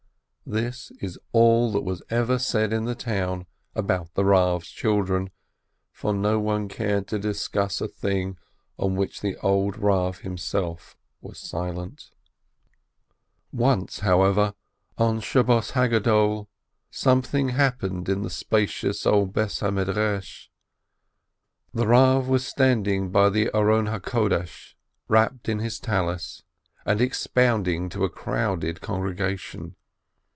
This is all that was ever said in the town about the Rav's children, for no one cared to discuss a thing on which the old Rav himself was silent. Once, however, on the Great Sabbath, something happened in the spacious old house of study. The Rav was standing by the ark, wrapped in his Tallis, and expounding to a crowded congregation.